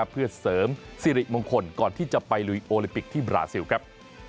เพื่อเสริมสิริมงคลก่อนที่จะไปลุยโอลิมปิกที่บราซิลครับ